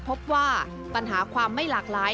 พบว่าปัญหาความไม่หลากหลาย